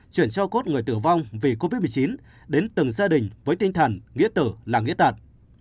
chuyển cho cốt người tử vong vì covid một mươi chín đến từng gia đình với tinh thần nghĩa tử là nghĩa tạt